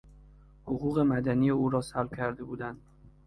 حقوق مدنی او را سلب کرده بودند.